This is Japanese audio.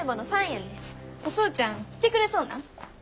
お父ちゃん来てくれそうなん？